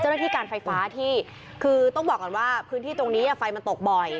เจ้าหน้าที่การไฟฟ้าที่คือต้องบอกก่อนว่าพื้นที่ตรงนี้ไฟมันตกบ่อย